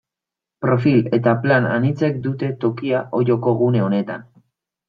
Profil eta plan anitzek dute tokia Olloko gune honetan.